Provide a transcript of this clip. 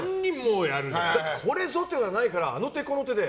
ここぞというのがないからあの手この手で。